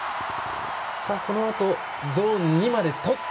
このあとゾーン２までとった。